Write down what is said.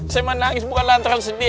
saya mah nangis bukan lantaran sedih